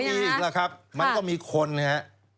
มีอีกแล้วครับมันก็มีคนนะครับ